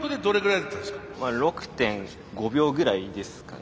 ６．５秒ぐらいですかね。